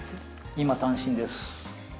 今、単身です。